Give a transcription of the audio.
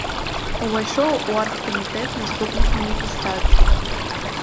Увайшоў у аргкамітэт наступных маніфестацый.